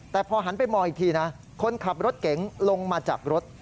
แต่พอหันไปมองอีกทีนะคนขับรถเก๋งลงมาจากรถ